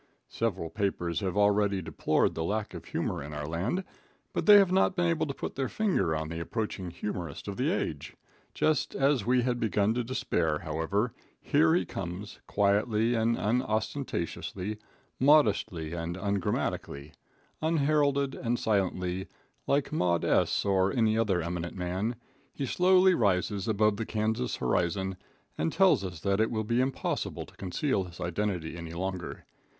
Several papers have already deplored the lack of humor in our land, but they have not been able to put their finger on the approaching humorist of the age. Just as we had begun to despair, however, here he comes, quietly and unostentatiously, modestly and ungrammatically. Unheralded and silently, like Maud S. or any other eminent man, he slowly rises above the Kansas horizon, and tells us that it will be impossible to conceal his identity any longer.